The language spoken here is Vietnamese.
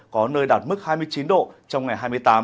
có nơi đạt mức hai mươi chín độ trong ngày hai mươi tám